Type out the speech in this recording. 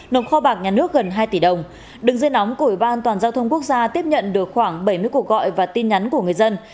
nộp kho bạc nhà nước gần hai tỷ đồng đường dây nóng của ủy ban toàn giao thông quốc gia tiếp nhận được khoảng bảy mươi cuộc gọi và tin nhắn của người dân